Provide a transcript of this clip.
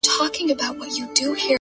ښکلا د دې؛ زما،